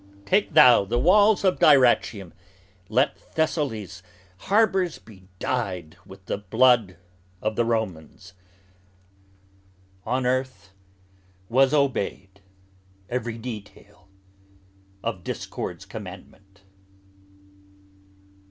Take thou the walls of Dyrrachium, Let Thessaly's harbors be dyed with the blood of the Romans!' On earth was obeyed every detail of Discord's commandment."